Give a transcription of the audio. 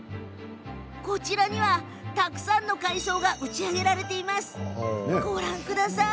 こちらには、たくさんの海藻が打ち上げられています。